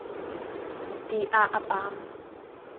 Ti ah a pam.